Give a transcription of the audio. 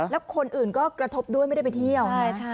แล้วคนอื่นก็กระทบด้วยไม่ได้ไปเที่ยว